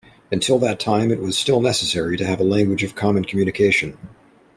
Until that time it was still necessary to have a language of common communication.